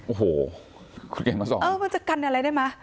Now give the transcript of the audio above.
โอ้โหมันจะกันอะไรได้มะ